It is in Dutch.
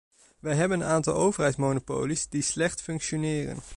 Wij hebben een aantal overheidsmonopolies die slecht functioneren.